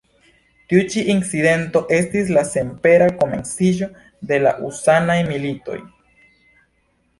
Tiu ĉi incidento estis la senpera komenciĝo de la husanaj militoj.